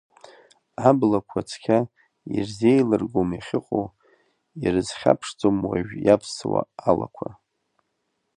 Аблақәа цқьа ирзеилыргом иахьыҟоу, ирызхьаԥшӡом уажә иавсуа алақәа.